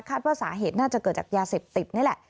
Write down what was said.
ว่าสาเหตุน่าจะเกิดจากยาเสพติดนี่แหละ